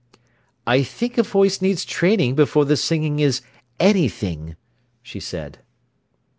"I think a voice needs training before the singing is anything," she said.